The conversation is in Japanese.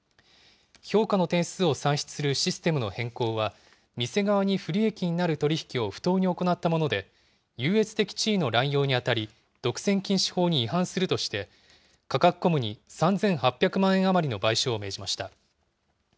評価の点数を算出するシステムの変更は、店側に不利益になる取り引きを不当に行ったもので優越的地位の乱用に当たり、独占禁止法に違反するとして、カカクコムに３８００万円余りの賠償を命じました。